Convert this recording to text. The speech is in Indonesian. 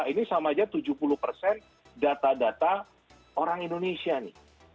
ini sama aja tujuh puluh persen data data orang indonesia nih